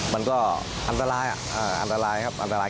มันก็อันตรายอันตรายครับอันตราย